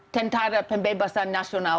tentara pembebasan nasional